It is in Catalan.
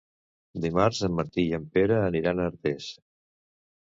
Dimarts en Martí i en Pere aniran a Artés.